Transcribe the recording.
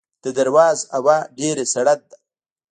د درواز هوا ډیره سړه ده